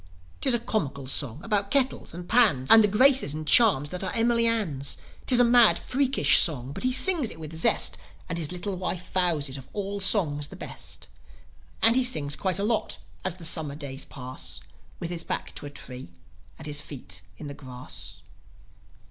'Tis a comical song about kettles and pans, And the graces and charms that are Emily Ann's. 'Tis a mad, freakish song, but he sings it with zest, And his little wife vows it of all songs the best. And he sings quite a lot, as the Summer days pass, With his back to a tree and his feet in the grass.